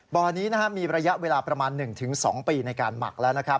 บ่อนี้มีระยะเวลาประมาณ๑๒ปีในการหมักแล้วนะครับ